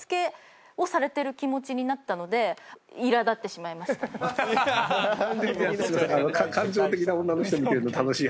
すいません。